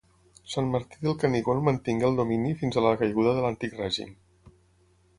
Sant Martí del Canigó en mantingué el domini fins a la caiguda de l'Antic Règim.